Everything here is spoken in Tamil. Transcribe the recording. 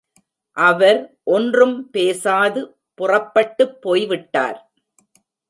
அவர் ஒன்றும் பேசாது புறப்பட்டுப் போய்விட்டார்.